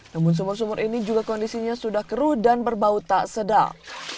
namun sumur sumur ini juga kondisinya sudah keruh dan berbau tak sedal